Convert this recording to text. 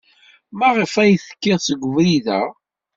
Maɣef ay tekkid seg ubrid-a?